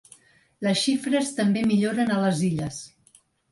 Les xifres també milloren a les Illes.